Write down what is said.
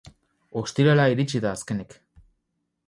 Ostirala iritsi da azkenik.